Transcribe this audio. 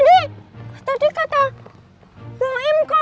eh buka buka buka